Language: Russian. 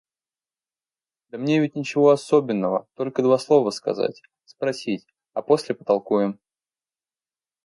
Да мне ведь ничего особенного, только два слова сказать, спросить, а после потолкуем.